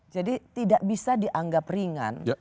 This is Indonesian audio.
jadi tidak bisa dianggap ringan